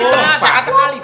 di tengah sakit sakit